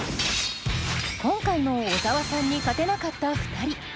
今回も小沢さんに勝てなかった２人。